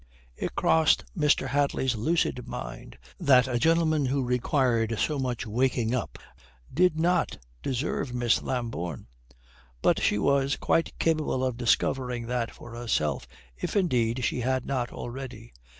It crossed Mr. Hadley's lucid mind that a gentleman who required so much waking up did not deserve Miss Lambourne. But she was quite capable of discovering that for herself, if indeed she had not already.